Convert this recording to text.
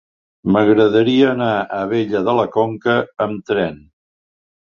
M'agradaria anar a Abella de la Conca amb tren.